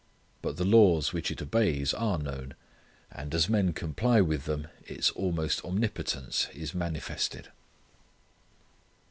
But the laws which it obeys are known. And as men comply with them its almost omnipotence is manifested.